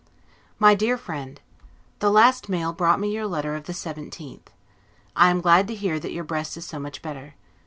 MY DEAR FRIEND: The last mail brought me your letter of the 17th. I am glad to hear that your breast is so much better.